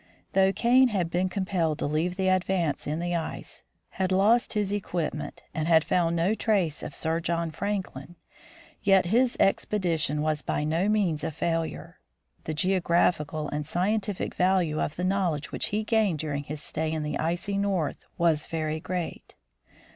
Though Kane had been compelled to leave the Advance in the ice, had lost his equipment, and had found no trace of Sir John Franklin, yet his expedition was by no means a failure. The geographical and scientific value of the knowledge which he gained during his stay in the icy North was very great.